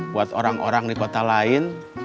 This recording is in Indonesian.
buat orang orang di kota lain